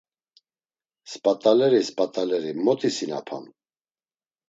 Sp̌at̆aleri sp̌at̆aleri mot isinapam.